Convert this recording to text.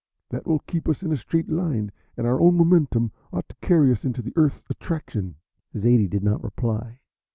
That will keep us in a straight line, and our own momentum ought to carry us into the Earth's attraction." Zaidie did not reply.